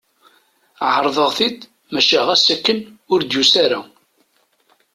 Ɛerḍeɣ-t-id maca ɣas akken, ur d-yusa ara.